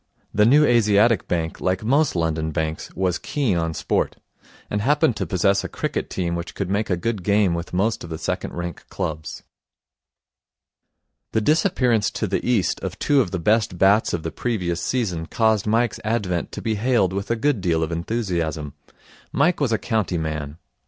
The New Asiatic Bank, like most London banks, was keen on sport, and happened to possess a cricket team which could make a good game with most of the second rank clubs. The disappearance to the East of two of the best bats of the previous season caused Mike's advent to be hailed with a good deal of enthusiasm. Mike was a county man.